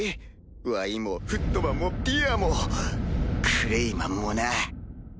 わいもフットマンもティアもクレイマンもな。